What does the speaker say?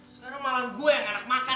sekarang malah gue yang enak makan